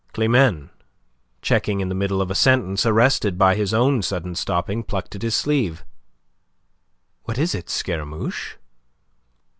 Climene, checking in the middle of a sentence, arrested by his own sudden stopping, plucked at his sleeve. "What is it, Scaramouche?"